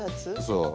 そう。